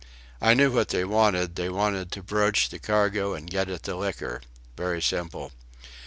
I knew what they wanted: they wanted to broach the cargo and get at the liquor. Very simple....